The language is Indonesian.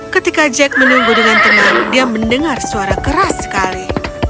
ketika jack menunggu dengan tenang dia mendengar suara keras sekali